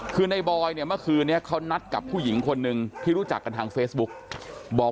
คือในบอยเนี่ยเมื่อคืนนี้เขานัดกับผู้หญิงคนหนึ่งที่รู้จักกันทางเฟซบุ๊กบอก